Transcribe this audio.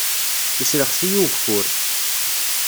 Yeslexs-iyi ugeffur.